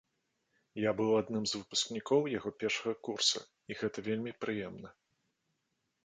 Я быў адным з выпускнікоў яго першага курса, і гэта вельмі прыемна.